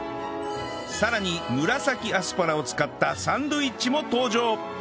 さらに紫アスパラを使ったサンドウィッチも登場